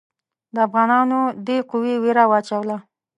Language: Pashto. د افغانانو دې قوې وېره واچوله.